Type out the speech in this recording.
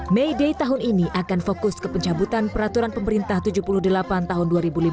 may day tahun ini akan fokus ke pencabutan peraturan pemerintah tujuh puluh delapan tahun dua ribu lima belas